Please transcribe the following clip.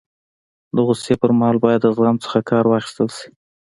د غوصي پر مهال باید د زغم څخه کار واخستل سي.